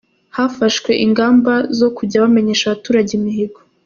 Hafashwe ingamba zo kujya bamenyesha abaturage imihigo.